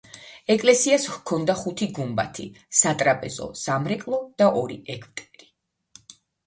ეკლესიას ჰქონდა ხუთი გუმბათი, სატრაპეზო, სამრეკლო და ორი ეგვტერი.